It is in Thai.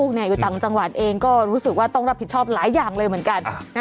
อยู่ต่างจังหวัดเองก็รู้สึกว่าต้องรับผิดชอบหลายอย่างเลยเหมือนกัน